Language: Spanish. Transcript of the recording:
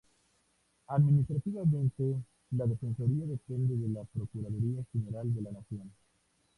Administrativamente, la Defensoría depende de la Procuraduría General de la Nación.